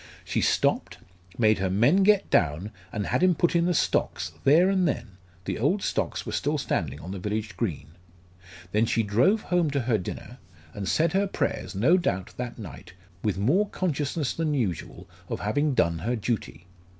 She stopped, made her men get down and had him put in the stocks there and then the old stocks were still standing on the village green. Then she drove home to her dinner, and said her prayers no doubt that night with more consciousness than usual of having done her duty.